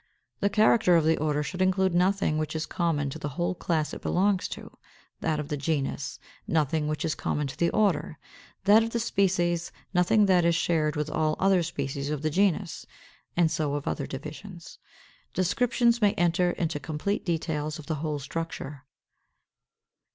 The character of the order should include nothing which is common to the whole class it belongs to; that of the genus, nothing which is common to the order; that of the species nothing which is shared with all other species of the genus; and so of other divisions. Descriptions may enter into complete details of the whole structure.